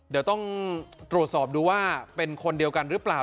เดี๋ยวต้องตรวจสอบดูว่าเป็นคนเดียวกันหรือเปล่า